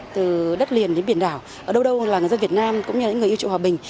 từ đất liền đến biển đảo ở đâu đâu là người dân việt nam cũng như những người yêu trụ hòa bình